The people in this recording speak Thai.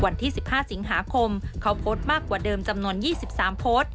วันที่๑๕สิงหาคมเขาโพสต์มากกว่าเดิมจำนวน๒๓โพสต์